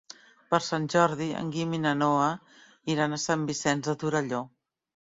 Per Sant Jordi en Guim i na Noa iran a Sant Vicenç de Torelló.